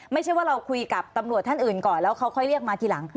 ไม่ใช่ว่าเราคุยกับตำรวจท่านอื่นก่อนแล้วเขาค่อยเรียกมาทีหลัง